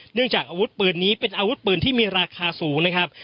จากอาวุธปืนนี้เป็นอาวุธปืนที่มีราคาสูงนะครับ